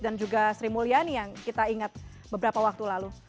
dan juga sri mulyani yang kita ingat beberapa waktu lalu